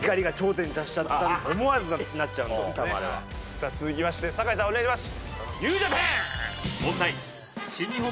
さあ続きまして坂井さんお願いします。